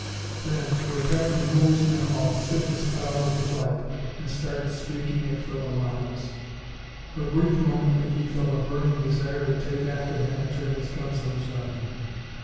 Then, for apparently no reason at all, Siddons cut out of the flight and started streaking it for the lines. For a brief moment McGee felt a burning desire to take after him and turn his guns loose on him.